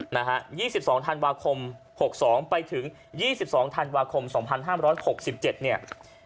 นะฮะยี่สิบสองธันวาคมหกสองไปถึงยี่สิบสองธันวาคมสองพันห้ามร้อยหกสิบเจ็ดเนี่ย